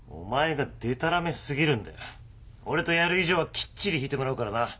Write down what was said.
俺とやる以上はきっちり弾いてもらうからな。